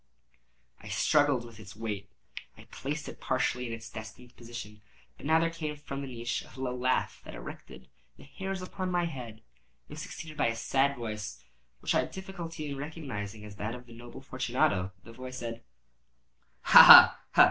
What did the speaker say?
I struggled with its weight; I placed it partially in its destined position. But now there came from out the niche a low laugh that erected the hairs upon my head. It was succeeded by a sad voice, which I had difficulty in recognising as that of the noble Fortunato. The voice said— "Ha! ha!